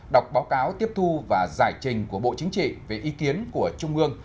đọc báo cáo tiếp thu và giải trình của bộ chính trị về ý kiến của trung ương